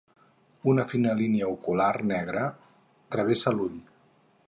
Una fina línia ocular negra travessa l'ull.